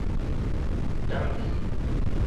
danki